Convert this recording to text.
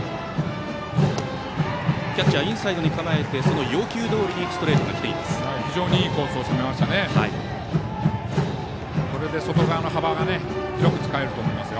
キャッチャー、インサイドに構えその要求どおりにストレートがきています。